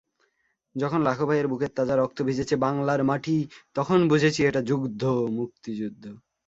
যখন লাখো ভাইয়ের বুকের তাজা রক্তেভিজেছে বাংলার মাটি, তখন বুঝেছি এটা যুদ্ধ মুক্তিযুদ্ধ।